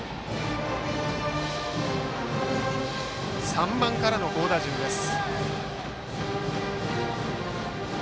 ３番からの好打順です。